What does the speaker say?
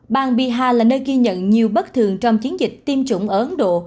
bang bihar là nơi ghi nhận nhiều bất thường trong chiến dịch tiêm chủng ở ấn độ